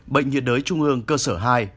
bệnh nhiệt đới trung ương cơ sở hai